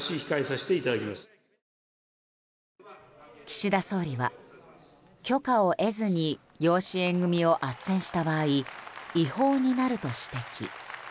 岸田総理は、許可を得ずに養子縁組をあっせんした場合違法になると指摘。